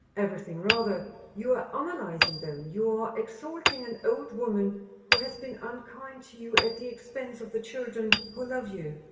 "Everything rather. You are analyzing them. You are exalting an old woman who has been unkind to you at the expense of the children who love you!"